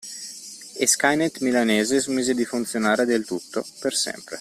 E Skynet Milanese smise di funzionare del tutto, per sempre.